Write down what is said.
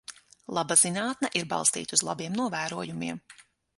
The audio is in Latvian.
Laba zinātne ir balstīta uz labiem novērojumiem.